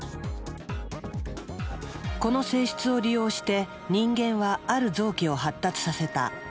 この性質を利用して人間はある臓器を発達させた。